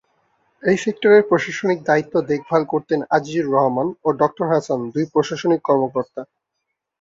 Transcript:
এই সেক্টরের প্রশাসনিক দায়িত্ব দেখভাল করতেন আজিজুর রহমান ও ডক্টর হাসান দুই প্রশাসনিক কর্মকর্তা।